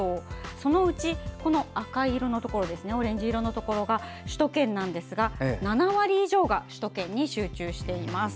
そのうち赤い色、オレンジ色のところが首都圏なんですが７割以上が首都圏に集中しています。